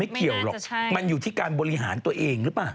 เกี่ยวหรอกมันอยู่ที่การบริหารตัวเองหรือเปล่า